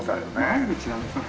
毎日なんですよね。